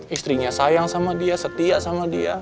istrinya sayang sama dia setia sama dia